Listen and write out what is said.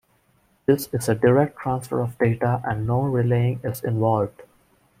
This is a direct transfer of data and no relaying is involved.